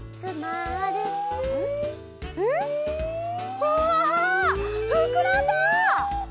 うわふくらんだ！